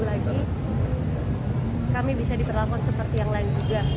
lagi kami bisa diperlakukan seperti yang lain juga